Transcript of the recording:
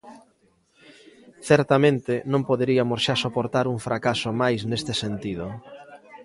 Certamente, non poderiamos xa soportar un fracaso máis neste sentido.